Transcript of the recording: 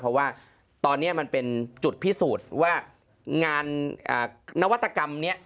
เพราะว่าตอนนี้มันเป็นจุดพิสูจน์ว่างานนวัตกรรมนี้